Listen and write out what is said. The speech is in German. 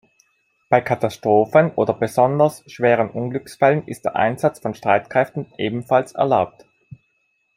Bei Katastrophen oder besonders schweren Unglücksfällen ist der Einsatz von Streitkräften ebenfalls erlaubt.